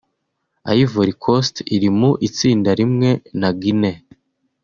Ivory Coast iri mu itsinda riwe na Guinea